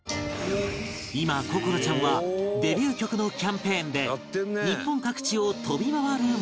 今心愛ちゃんはデビュー曲のキャンペーンで日本各地を飛び回る毎日